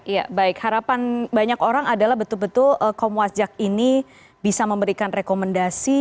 ya baik harapan banyak orang adalah betul betul komwasjak ini bisa memberikan rekomendasi